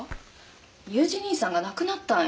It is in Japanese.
裕二兄さんが亡くなったんえ？